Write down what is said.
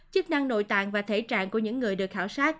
chức năng nội tạng và thể trạng của những người được khảo sát